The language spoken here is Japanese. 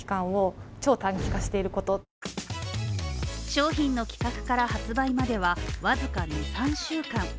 商品の企画から発売までは、僅か２３週間。